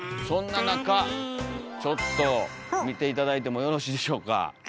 そんな中ちょっと見て頂いてもよろしいでしょうか？